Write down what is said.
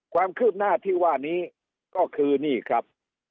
ความคืบหน้าที่ว่านี้ก็คือนี่ครับ